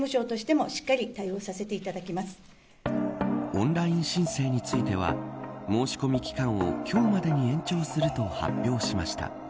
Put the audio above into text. オンライン申請については申し込み期間を今日までに延長すると発表しました。